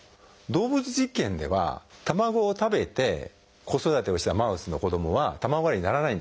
動物実験では卵を食べて子育てをしたマウスの子どもは卵アレルギーにならないんですよ。